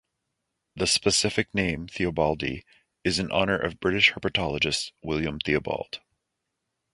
The specific name, "theobaldi", is in honor of British herpetologist William Theobald.